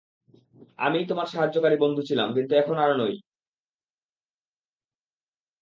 আমিই তোমার সাহায্যকারী বন্ধু ছিলাম, কিন্তু এখন আর নই।